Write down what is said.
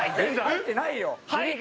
入ってない！